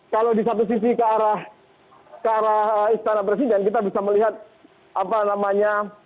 kalau di satu sisi ke arah istana presiden kita bisa melihat apa namanya